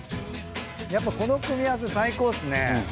やっぱこの組み合わせ最高っすね。